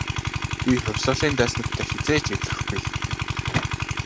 Би хувьсгалын дайснуудтай хэзээ ч эвлэрэхгүй.